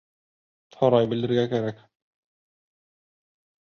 Һорай белергә кәрәк.